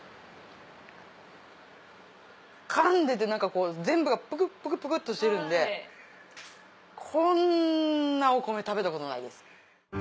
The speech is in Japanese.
かんでて全部がプクプクっとしてるんでこんなお米食べたことないです。